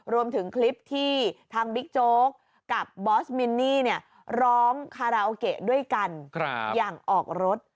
รวมถึงคลิปที่ทางบิ๊กโจ๊กกับบอสมินนี่ร้องคาราโอเกะด้วยกันอย่างออกรถ